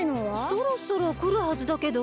そろそろくるはずだけど。